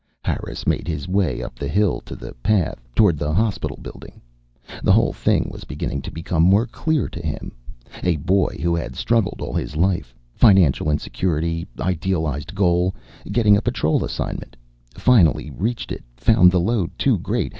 Harris made his way up the hill, to the path, toward the hospital building. The whole thing was beginning to become more clear to him. A boy who had struggled all his life. Financial insecurity. Idealized goal, getting a Patrol assignment. Finally reached it, found the load too great.